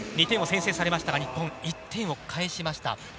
２点を先制されましたが日本、１点を返しました。